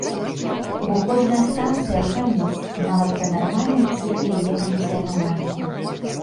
Бо кожная станцыя фаніць, нават пры нармальным цыкле яе функцыянавання.